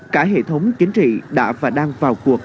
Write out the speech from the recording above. cả hệ thống chính trị đã và đang vào cuộc